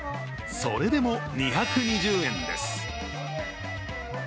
それでも２２０円です。